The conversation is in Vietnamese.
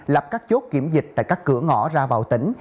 lập các chốt kiểm dịch tại các cửa ngõ ra vào tỉnh